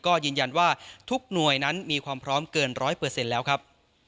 ก็ยืนยันว่าทุกหน่วยนั้นมีความพร้อมเกิน๑๐๐แล้วครับ